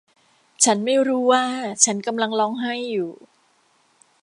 ฉันไม่รู้ว่าฉันกำลังร้องไห้อยู่